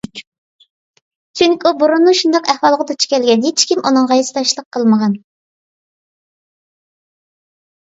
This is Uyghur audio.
چۈنكى ئۇ بۇرۇنمۇ شۇنداق ئەھۋالغا دۇچ كەلگەن، ھېچكىم ئۇنىڭغا ھېسداشلىق قىلمىغان.